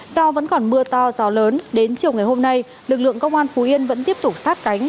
do vẫn còn mưa to gió lớn đến chiều ngày hôm nay lực lượng công an phú yên vẫn tiếp tục sát cánh